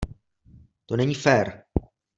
To není fér!